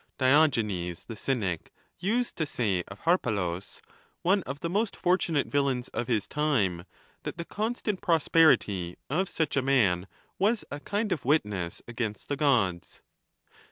XXXIV. Diogenes the Cynic used to say of Harpalus, one of the most fortunate villains of his time, that the constant prosperity of such a man was a kind of witness against the Gods.